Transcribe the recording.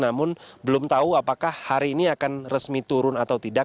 namun belum tahu apakah hari ini akan resmi turun atau tidak